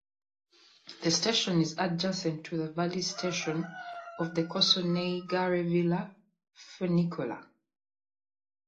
The station is adjacent to the valley station of the Cossonay–Gare–Ville funicular.